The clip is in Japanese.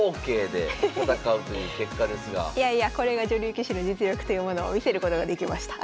いやいやこれが女流棋士の実力というものを見せることができました。